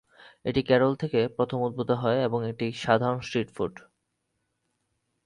এটি কেরল থেকে প্রথম উদ্ভব হওয়া একটি সাধারণ স্ট্রিট ফুড।